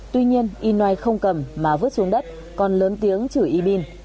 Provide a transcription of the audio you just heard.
tuy nhiên ynoanye không cầm mà vứt xuống đất còn lớn tiếng chửi ybin